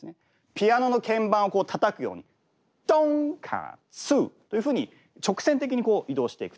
ピアノの鍵盤をたたくようにとんかつというふうに直線的に移動していくと。